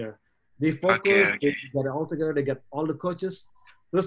mereka fokus mereka semua bersama mereka punya semua pemain